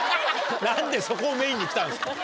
何でそこメインに来たんですか。